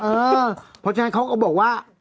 เพราะฉะนั้นเขาก็บอกว่า